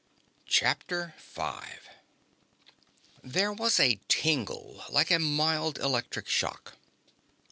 CHAPTER FIVE There was a tingle like a mild electric shock.